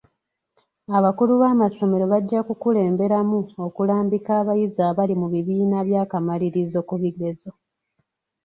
Abakulu b'amasomero bajja kukulemberamu okulambika abayizi abali mu bibiina by'akamaliririzo ku bigezo.